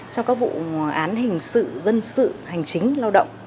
cho các vụ án hình sự dân sự hành chính lao động